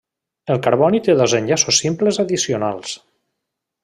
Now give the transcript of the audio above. El carboni té dos enllaços simples addicionals.